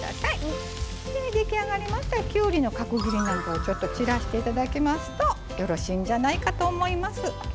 出来上がりましたらきゅうりの角切りなんかをちょっと散らして頂きますとよろしいんじゃないかと思います。